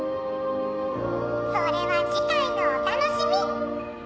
「それは次回のお楽しみ！」